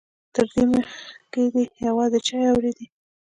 تر دې مخکې ده يوازې چيغې اورېدې.